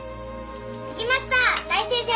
できました大先生！